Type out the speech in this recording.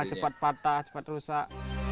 cepat patah cepat rusak